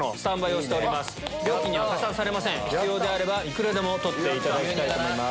必要であればいくらでも取っていただきたいと思います。